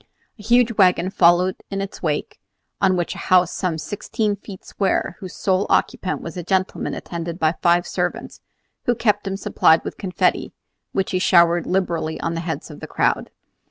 A huge wagon followed in its wake, on which was a house some sixteen feet square, whose sole occupant was a gentleman attended by five servants, who kept him supplied with confetti, which he showered liberally on the heads of the crowd.